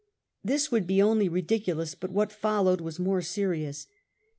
^ This would be only ridiculous, but what followed was more serious.